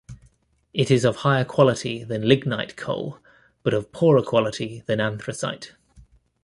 It is of higher quality than lignite coal but of poorer quality than anthracite.